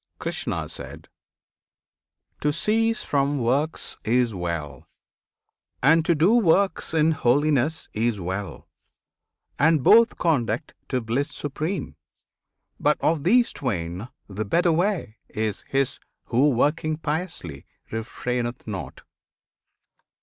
Krishna. To cease from works Is well, and to do works in holiness Is well; and both conduct to bliss supreme; But of these twain the better way is his Who working piously refraineth not.